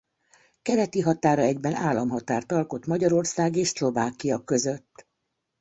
Keleti határa egyben államhatárt alkot Magyarország és Szlovákia között.